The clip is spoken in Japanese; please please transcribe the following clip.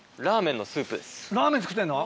ラーメン作ってんの？